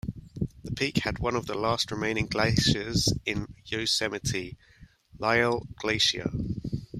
The peak had one of the last remaining glaciers in Yosemite, Lyell Glacier.